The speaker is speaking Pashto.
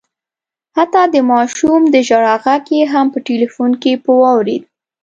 حتی د ماشوم د ژړا غږ یې هم په ټلیفون کي په واورېد